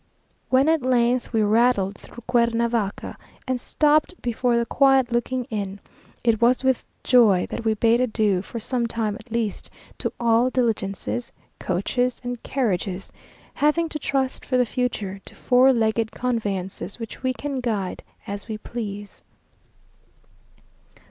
When at length we rattled through Cuernavaca, and stopped before the quiet looking inn, it was with joy that we bade adieu, for some time at least, to all diligences, coaches, and carriages; having to trust for the future to four legged conveyances, which we can guide as we please.